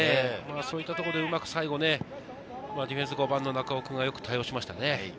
そういったところでうまく最後、ディフェンス５番の中尾君がよく対応しましたね。